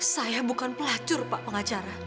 saya bukan pelacur pak pengacara